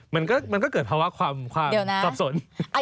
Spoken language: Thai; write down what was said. มันก็เกิดภาวะความสับสน